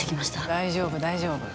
大丈夫大丈夫。